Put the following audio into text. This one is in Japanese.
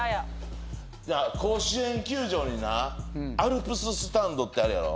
じゃあ甲子園球場になアルプススタンドってあるやろ？